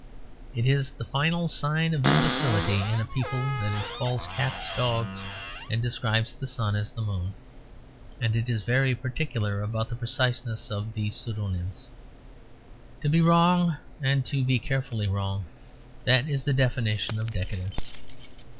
It is the final sign of imbecility in a people that it calls cats dogs and describes the sun as the moon and is very particular about the preciseness of these pseudonyms. To be wrong, and to be carefully wrong, that is the definition of decadence.